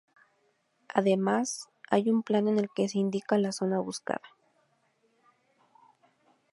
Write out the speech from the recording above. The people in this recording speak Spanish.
Además, hay un plano en el que se indica la zona buscada.